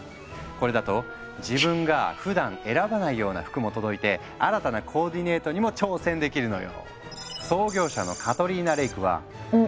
これだと自分がふだん選ばないような服も届いて新たなコーディネートにも挑戦できるのよ。